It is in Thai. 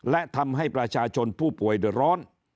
และทำให้ประชาชนผู้ป่วยเดือดร้อน